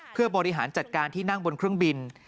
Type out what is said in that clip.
เพื่อบริหารจัดการที่นั่งบนเครื่องบิน